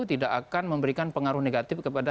tidak akan memberikan pengaruh negatif kepada